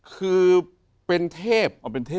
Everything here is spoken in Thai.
คือเป็นเทพ